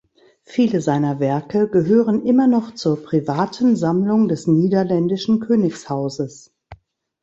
Viele seiner Werke gehören immer noch zur privaten Sammlung des niederländischen Königshauses.